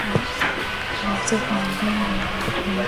Eneo la usafi ni jambo alililopigania kwa muda mrefu